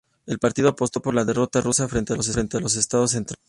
El partido apostó por la derrota rusa frente a los estados centrales.